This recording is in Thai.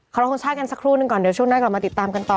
รับทรงชาติกันสักครู่หนึ่งก่อนเดี๋ยวช่วงหน้ากลับมาติดตามกันต่อ